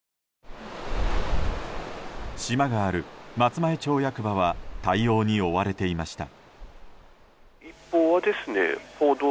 島がある松前町役場は対応に追われていました。